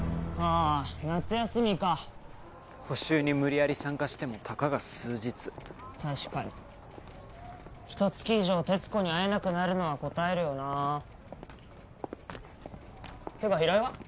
あ夏休みか補習に無理やり参加してもたかが数日確かにひと月以上鉄子に会えなくなるのはこたえるよなってか平井は？